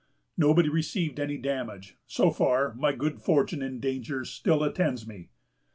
Nobody received any damage. So far, my good fortune in dangers still attends me."